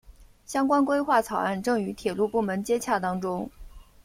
相关规划草案正与铁路部门接洽当中。